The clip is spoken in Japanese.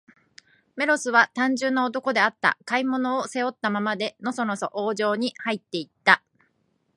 メロスは、単純な男であった。買い物を、背負ったままで、のそのそ王城にはいって行った。